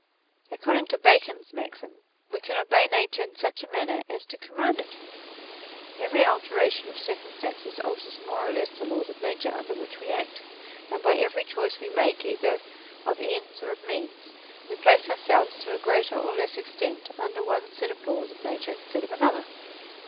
According to Bacon's maxim, we can obey nature in such a manner as to command it. Every alteration of circumstances alters more or less the laws of nature under which we act ; and by every choice which we make either of ends or of means, we place ourselves to a greater or less extent under one set of laws of nature instead of another.